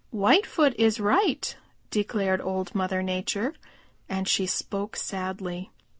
"Whitefoot is right," declared Old Mother Nature, and she spoke sadly.